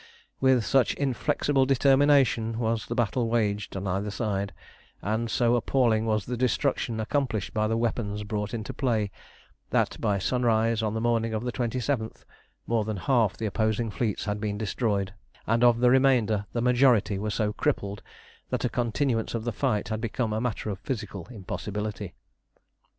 With such inflexible determination was the battle waged on either side, and so appalling was the destruction accomplished by the weapons brought into play, that by sunrise on the morning of the 27th, more than half the opposing fleets had been destroyed, and of the remainder the majority were so crippled that a continuance of the fight had become a matter of physical impossibility.